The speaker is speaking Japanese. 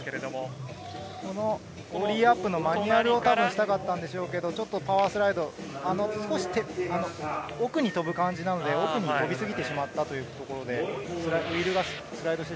オーリーアップのマニュアルをしたかったんでしょうけど、パワースライド、奥に飛ぶ感じなので奥に飛びすぎてしまったという感じで。